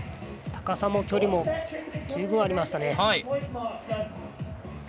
高さも距離も十分ありましたね。